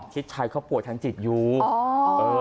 ชิดชัยเค้าปวดทั้งจิตอยู่